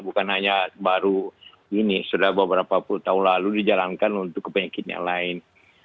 bukan hanya baru ini sudah beberapa puluh tahun lalu dijalankan untuk penyakit yang lain